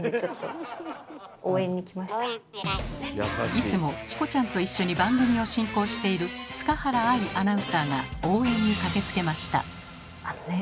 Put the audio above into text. いつもチコちゃんと一緒に番組を進行している塚原愛アナウンサーが応援に駆けつけました。